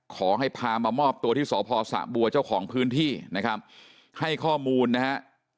ขอให้พามามอบตัวที่สพสะบัวเจ้าของพื้นที่นะครับให้ข้อมูลนะฮะ